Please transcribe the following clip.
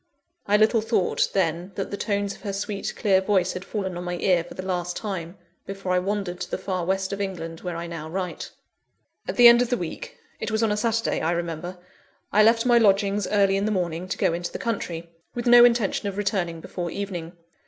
I little thought, then, that the tones of her sweet, clear voice had fallen on my ear for the last time, before I wandered to the far West of England where I now write. At the end of the week it was on a Saturday, I remember I left my lodgings early in the morning, to go into the country; with no intention of returning before evening.